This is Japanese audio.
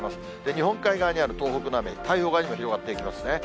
日本海側にある東北の雨、太平洋側にも広がっていきますね。